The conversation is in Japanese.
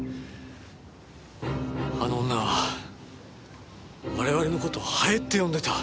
あの女は我々の事ハエって呼んでた。